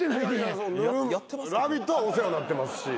『ラヴィット！』はお世話になってますし。